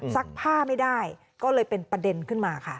ผ้าไม่ได้ก็เลยเป็นประเด็นขึ้นมาค่ะ